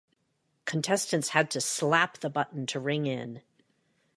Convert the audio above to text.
Contestants had to slap the button to ring in.